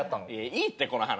いいってこの話。